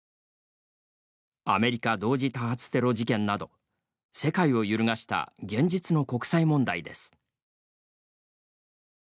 アメリカ同時多発テロ事件など世界を揺るがした現実の国際問題です。